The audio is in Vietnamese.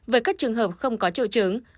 với các trường hợp không có triệu trường